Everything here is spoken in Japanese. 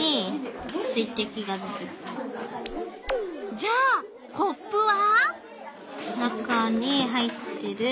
じゃあコップは？